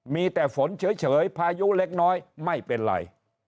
มีแต่ฝนเฉยพายุเล็กน้อยไม่เป็นไร